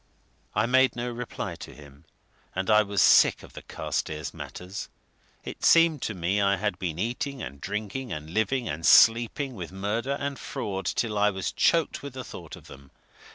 I made no reply to him and I was sick of the Carstairs matters; it seemed to me I had been eating and drinking and living and sleeping with murder and fraud till I was choked with the thought of them.